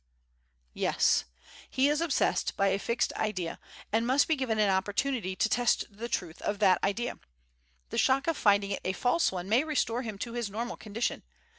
"Yes. He is obsessed by a fixed idea, and must be given an opportunity to test the truth of that idea. The shock of finding it a false one may restore him to his normal condition.